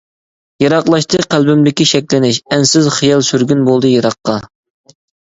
يىراقلاشتى قەلبىمدىكى شەكلىنىش، ئەنسىز خىيال سۈرگۈن بولدى يىراققا.